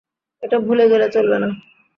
এটা ভুলে গেলে চলবে না।